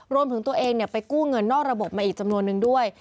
รวมถึงตัวเองไปกู้เงินนอกระบบมาอีกจำนวนนึงด้วย